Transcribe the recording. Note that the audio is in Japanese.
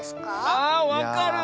あわかる！